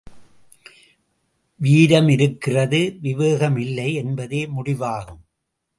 வீரம் இருக்கிறது விவேகம் இல்லை, என்பதே முடிவாகும்.